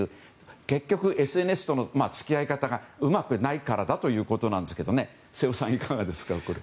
結局、ＳＮＳとの付き合い方がうまくないからだということですが瀬尾さん、いかがですか。